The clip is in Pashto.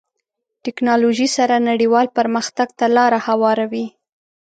ټکنالوژي سره نړیوال پرمختګ ته لاره هواروي.